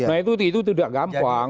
nah itu tidak gampang